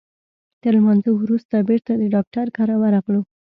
تر لمانځه وروسته بیرته د ډاکټر کره ورغلو.